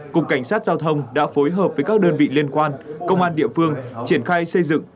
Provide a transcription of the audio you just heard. cục cảnh sát giao thông đã phối hợp với các đơn vị liên quan công an địa phương triển khai xây dựng